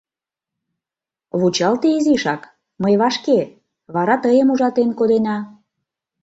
— Вучалте изишак, мый вашке, вара тыйым ужатен кодена.